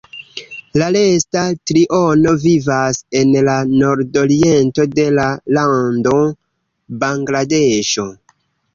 La resta triono vivas en la nordoriento de la lando Bangladeŝo.